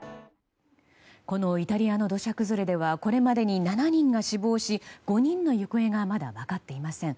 イタリアの土砂崩れではこれまでに７人が死亡し５人の行方がまだ分かっていません。